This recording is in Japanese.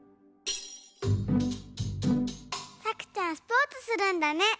さくちゃんスポーツするんだね。